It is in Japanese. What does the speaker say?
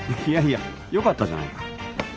いやいやよかったじゃないか。